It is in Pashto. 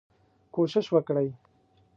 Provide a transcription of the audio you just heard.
کوشش وکړئ